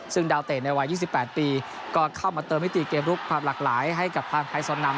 ซึ่งดาวเตะในวัย๒๘ปีก็เข้ามาเติมมิติเกมลุกความหลากหลายให้กับทางไทยซอนนำ